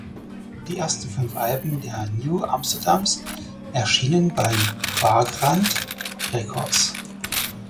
Die ersten fünf Alben der New Amsterdams erschienen bei Vagrant Records.